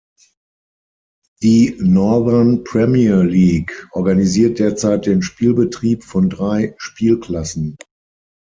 Die Northern Premier League organisiert derzeit den Spielbetrieb von drei Spielklassen.